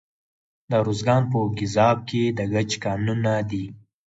د ارزګان په ګیزاب کې د ګچ کانونه دي.